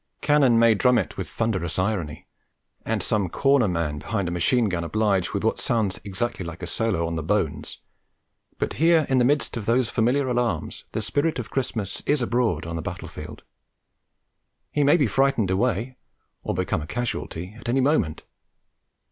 Cannon may drum it in with thunderous irony, and some corner man behind a machine gun oblige with what sounds exactly like a solo on the bones, but here in the midst of those familiar alarms the Spirit of Christmas is abroad on the battle field. He may be frightened away or become a casualty at any moment.